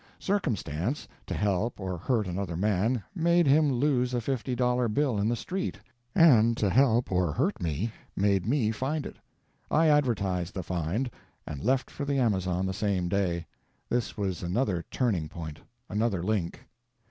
Circumstance, to help or hurt another man, made him lose a fifty dollar bill in the street; and to help or hurt me, made me find it. I advertised the find, and left for the Amazon the same day. This was another turning point, another link.